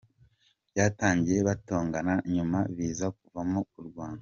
Byatangiye batongana nyuma biza kuvamo kurwana.